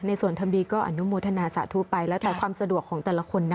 ส่วนทำดีก็อนุโมทนาสาธุไปแล้วแต่ความสะดวกของแต่ละคนนะ